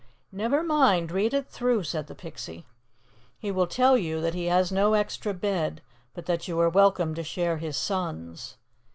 "Never mind. Read it through," said the Pixie. "'He will tell you that he has no extra bed, but that you are welcome to share his son's.